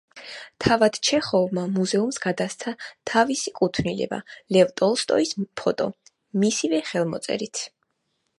თავად ჩეხოვმა მუზეუმს გადასცა თავისი კუთვნილება ლევ ტოლსტოის ფოტო მისივე ხელმოწერით.